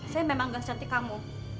saya memang gak cantik kamu